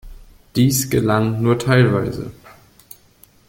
Dies gelang nur teilweise.